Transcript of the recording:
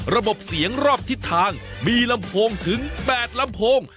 ระบบเสียงรอบทิศทางมีลำโพงถึง๘ลำโพง